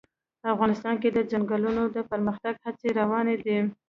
افغانستان کې د چنګلونه د پرمختګ هڅې روانې دي.